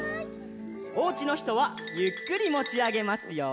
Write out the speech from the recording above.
おうちのひとはゆっくりもちあげますよ。